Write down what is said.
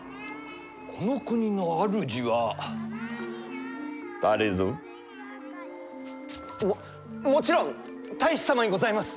この国の主は誰ぞ？ももちろん太守様にございます！